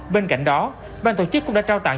bên cạnh đó bang tổ chức cũng đã trao tặng